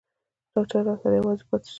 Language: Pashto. ډاکتر راسره يوازې پاته سو.